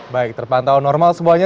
baik terpantau normal semuanya